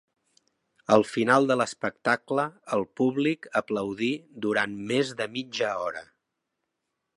Al final de l'espectacle, el públic aplaudí durant més de mitja hora.